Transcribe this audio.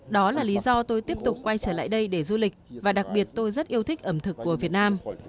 đó là lý do tôi tiếp tục quay trở lại đây để du lịch và đặc biệt tôi rất yêu thích ẩm thực của việt nam